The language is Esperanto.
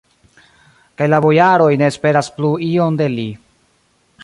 Kaj la bojaroj ne esperas plu ion de li.